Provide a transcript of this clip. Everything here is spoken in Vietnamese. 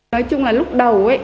nói chung là lúc đầu